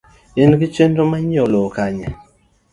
In gi chenro mar nyieo lowo Kanye?